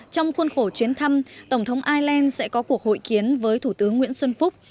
trong khuôn khổ chuyến thăm tổng thống ireland sẽ có cuộc hội kiến với thủ tướng nguyễn xuân phúc